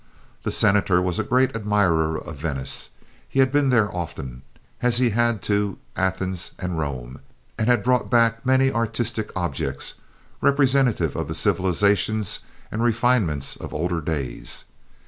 The Senator was a great admirer of Venice. He had been there often, as he had to Athens and Rome, and had brought back many artistic objects representative of the civilizations and refinements of older days.